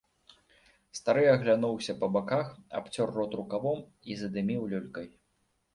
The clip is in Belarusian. Стары аглянуўся па баках, абцёр рот рукавом і задыміў люлькай.